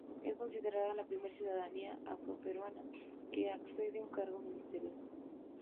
Es considerada la primera ciudadana afroperuana que accede a un cargo ministerial.